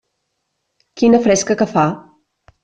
Quina fresca que fa!